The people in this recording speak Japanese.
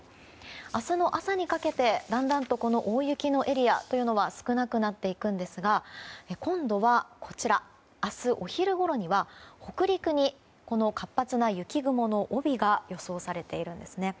明日の朝にかけてだんだんと大雪のエリアは少なくなっていくんですが今度は明日お昼ごろには北陸に活発な雪雲の帯が予想されているんですね。